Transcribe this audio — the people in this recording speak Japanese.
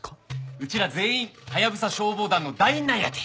うちら全員ハヤブサ消防団の団員なんやて。